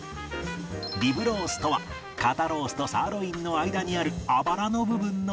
リブロースとは肩ロースとサーロインの間にあるあばらの部分の肉で